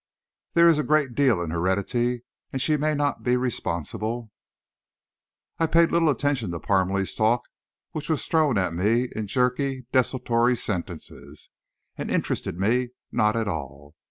There is a great deal in heredity, and she may not be responsible..." I paid little attention to Parmalee's talk, which was thrown at me in jerky, desultory sentences, and interested me not at all.